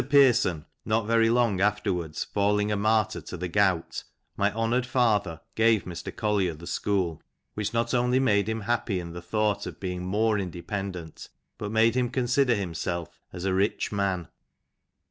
Pearson, not very long afterwards, falling a martyr to the gout, my honoured father gave Mr. Collier the school, which not only made him happy in the thought of being more independent, but made him consider himself as a rich man.